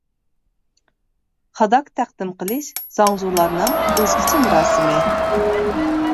خاداك تەقدىم قىلىش زاڭزۇلارنىڭ ئۆزگىچە مۇراسىمى.